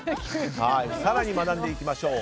更に学んでいきましょう。